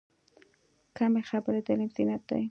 کمې خبرې، د علم زینت دی.